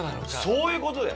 そういう事だよ！